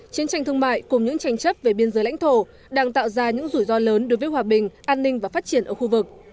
chiến tranh thương mại cùng những tranh chấp về biên giới lãnh thổ đang tạo ra những rủi ro lớn đối với hòa bình an ninh và phát triển ở khu vực